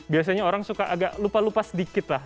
biasanya orang suka agak lupa lupa sedikit lah